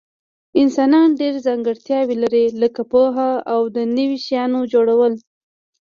انسانان ډیر ځانګړتیاوي لري لکه پوهه او د نوي شیانو جوړول